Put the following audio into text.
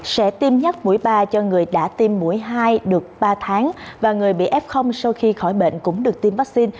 sẽ tiêm nhắc mũi ba cho người đã tiêm mũi hai được ba tháng và người bị f sau khi khỏi bệnh cũng được tiêm vaccine